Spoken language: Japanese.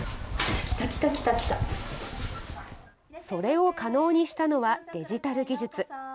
それを可能にしたのは、デジタル技術。